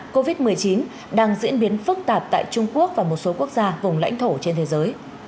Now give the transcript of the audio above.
covid một mươi chín đang diễn biến phức tạp tại trung quốc và một số quốc gia vùng lãnh thổ trên thế giới